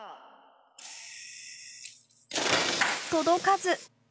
届かず！